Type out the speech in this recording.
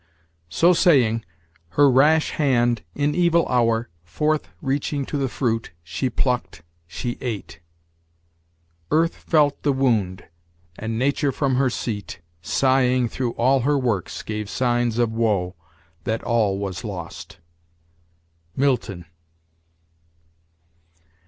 "So saying, her rash hand, in evil hour, Forth reaching to the fruit, she plucked, she ate! Earth felt the wound; and Nature from her seat, Sighing through all her works, gave signs of woe, That all was lost." Milton.